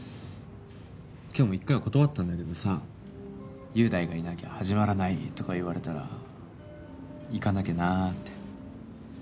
今日も一回は断ったんだけどさ「雄大がいなきゃ始まらない」とか言われたら行かなきゃなって。